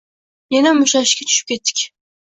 Yana mushtlashishga tushib ketdik.